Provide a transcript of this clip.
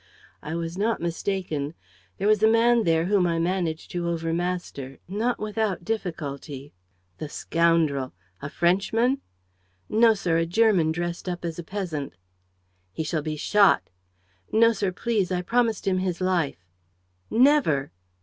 I was not mistaken. There was a man there whom I managed to overmaster, not without difficulty." "The scoundrel! A Frenchman?" "No, sir, a German dressed up as a peasant." "He shall be shot." "No, sir, please. I promised him his life." "Never!"